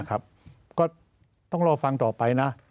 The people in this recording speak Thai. ก็ต้องรอฟังต่อไปนะ